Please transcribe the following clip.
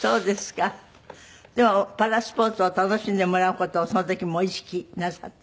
でもパラスポーツを楽しんでもらう事をその時もう意識なさった？